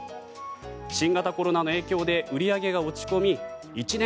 新型コロナの影響で売り上げが落ち込み一念